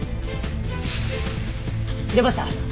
出ました！